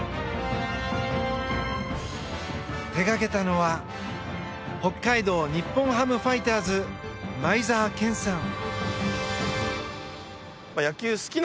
手がけたのは北海道日本ハムファイターズ前沢賢さん。